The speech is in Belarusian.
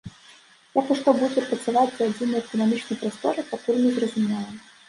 Як і што будзе працаваць у адзінай эканамічнай прасторы, пакуль не зразумела.